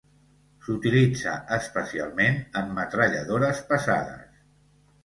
S'utilitza especialment en metralladores pesades.